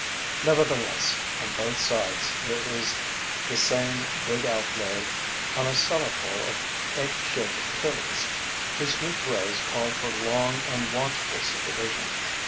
Nevertheless, on both sides, there is the same big outlay on a cellarful of egg shaped pills, whose neat rows call for long and watchful supervision.